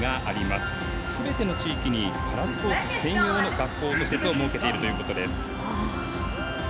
すべての地域にパラスポーツ専用の学校と施設を設けているということです。